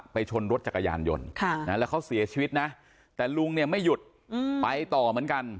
ชนรถจักรยานยนต์แล้วเขาเสียชีวิตนะแต่ลุงเนี่ยไม่หยุดไปต่อเหมือนกัน